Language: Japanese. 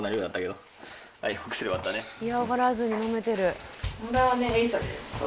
嫌がらずに飲めてる。